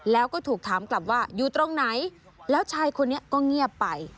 แล้วก็ถูกถามกลับว่าอยู่ตรงไหนแล้วชายคนนี้ก็เงียบไป